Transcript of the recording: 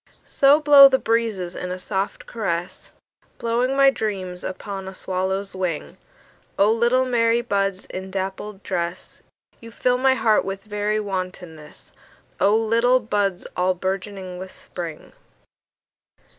So blow the breezes in a soft caress, Blowing my dreams upon a swallow's wing;O little merry buds in dappled dress, You fill my heart with very wantonness—O little buds all bourgeoning with Spring!